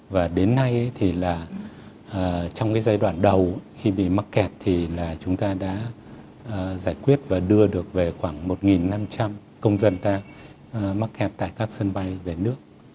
và đến nay thì là trong cái giai đoạn đầu khi bị mắc kẹt thì là chúng ta đã giải quyết và đưa được về khoảng một năm trăm linh công dân ta mắc kẹt tại các sân bay về nước